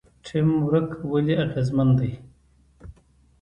ټیم ورک ولې اغیزمن دی؟